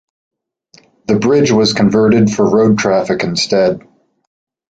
The bridge was converted for road traffic instead.